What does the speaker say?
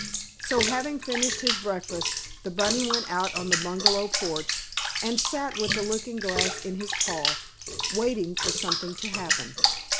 So, having finished his breakfast, the bunny went out on the bungalow porch and sat with the looking glass in his paw, waiting for something to happen.